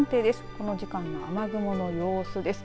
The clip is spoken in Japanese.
この時間の雨雲の様子です。